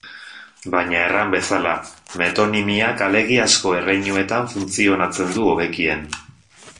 Baina, erran bezala, metonimiak alegiazko erreinuetan funtzionatzen du hobekien.